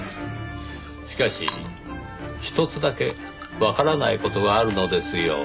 しかし一つだけわからない事があるのですよ。